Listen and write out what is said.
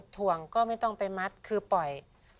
ถ่วงก็ไม่ต้องไปมัดคือปล่อย